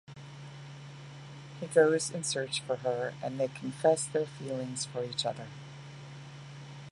He goes in search for her, and they confess their feelings for each other.